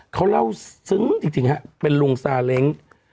เขาเล่าซึ้งจริงฮะเป็นลุงซาเล้ง